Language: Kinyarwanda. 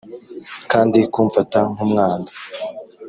kandi kumfata nk'umwanda.